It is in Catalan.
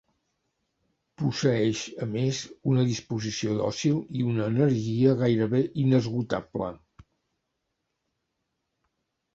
Posseeix a més una disposició dòcil i una energia gairebé inesgotable.